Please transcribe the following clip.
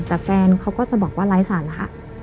แต่แฟนเขาก็จะบอกว่าไร้สาระ